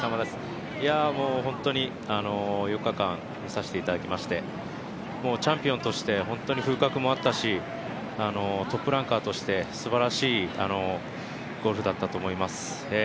本当に４日間見させていただきまして、チャンピオンとして風格もあったしトップランカーとしてすばらしいゴルフだったと思います。